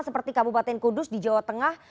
seperti kabupaten kudus di jawa tengah